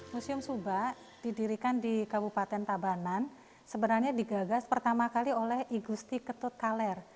museum suba didirikan di kabupaten tabanan sebenarnya digagas pertama kali oleh igusti ketut kaler